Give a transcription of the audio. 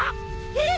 えっ！？